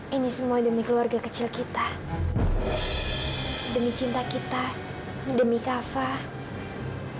ini semua demi keluarga kecil kita demi cinta kita demi kava